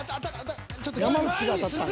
［山内が当たったん？］